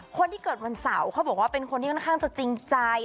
คนที่เกิดวันเสาร์เขาบอกว่าเป็นคนที่ค่อนข้างจะจริงใจ